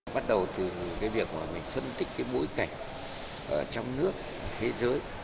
bắt đầu từ cái việc mà mình phân tích cái bối cảnh trong nước thế giới